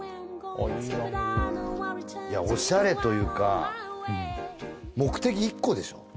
アングルいやオシャレというか目的１個でしょ